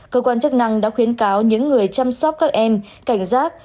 cơ quan chức năng đã khuyến cáo những người chăm sóc các em cảnh giác